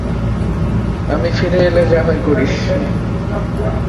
আমি ফিরে এলে যা হয় করিস।